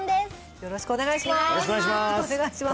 よろしくお願いします